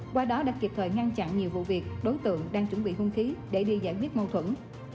qua đó đã kịp thời ngăn chặn nhiều vụ việc đối tượng đang chuẩn bị hung khí để đi giải quyết mâu thuẫn